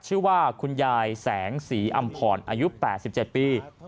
ชื่อว่าคุณยายแสงสีอำพรอายุ๘๗ปี